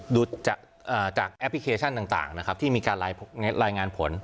ดูจากเอ่อจากแอปพลิเคชันต่างต่างนะครับที่มีการลายลายงานผล